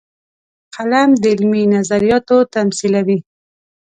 قلم د علمي نظریاتو تمثیلوي